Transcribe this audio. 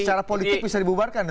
secara politik bisa dibubarkan